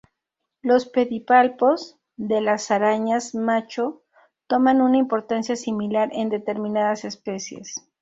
Los pedipalpos de las arañas macho toman una importancia similar en determinadas especies.